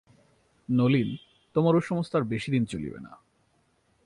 নলিন, তোমার ও-সমস্ত আর বেশি দিন চলিবে না।